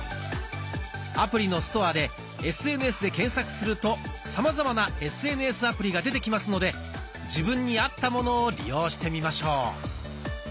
アプリのストアで「ＳＮＳ」で検索するとさまざまなＳＮＳアプリが出てきますので自分に合ったものを利用してみましょう。